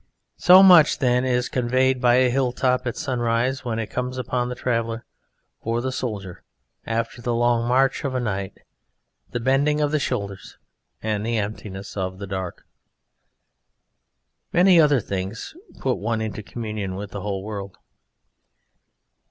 So much, then, is conveyed by a hill top at sunrise when it comes upon the traveller or the soldier after the long march of a night, the bending of the shoulders, and the emptiness of the dark. Many other things put one into communion with the whole world.